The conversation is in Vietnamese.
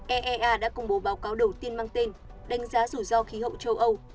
eea đã công bố báo cáo đầu tiên mang tên đánh giá rủi ro khí hậu châu âu